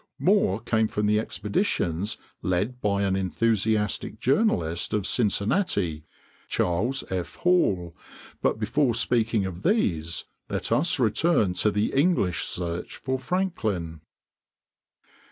More came from the expeditions led by an enthusiastic journalist of Cincinnati, Charles F. Hall, but before speaking of these, let us return to the English search for Franklin.